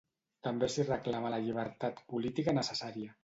També s'hi reclama la llibertat política necessària.